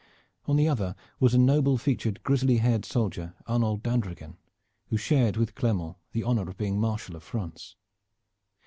On the other was a noble featured grizzly haired soldier, Arnold d'Andreghen, who shared with Clermont the honor of being Marshal of France.